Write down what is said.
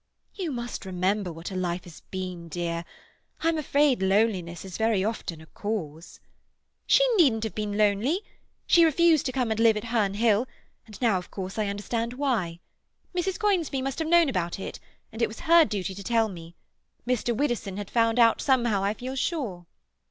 "You must remember what her life has been, dear. I'm afraid loneliness is very often a cause—" "She needn't have been lonely. She refused to come and live at Herne Hill, and now of course I understand why. Mrs. Conisbee must have known about it, and it was her duty to tell me. Mr. Widdowson had found out somehow, I feel sure."